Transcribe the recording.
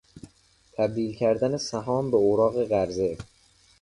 تبدیل کردن سهام به اوراق قرضه